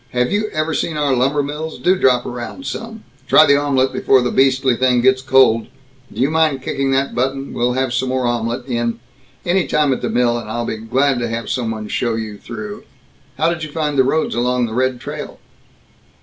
have you ever seen our lumbermills, do drop around some Try the omelet before the beastly thing gets cold, do you mind kicking that button, we'll have some more omelet in any time at the mill and I'll be glad to have some one show you through, how did you find the roads along the Red Trail?"